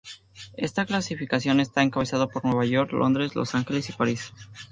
Esta clasificación está encabezada por Nueva York, Londres, Los Ángeles y París.